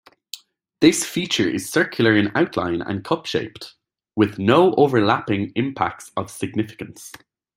This feature is circular in outline and cup-shaped, with no overlapping impacts of significance.